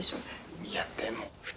いやでも。